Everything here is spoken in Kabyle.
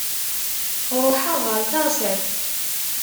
Ruḥaɣ ɣer teɣsert.